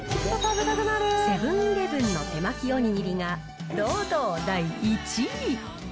セブンイレブンの手巻おにぎりが、堂々、第１位。